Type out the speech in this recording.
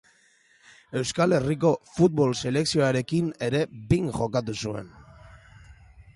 Euskal Herriko futbol selekzioarekin ere behin jokatu zuen.